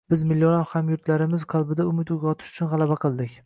Biz millionlab hamyurtlarimiz qalbida umid uyg‘otish uchun g‘alaba qildik